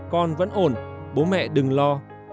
con vẫn ổn bố mẹ đừng lo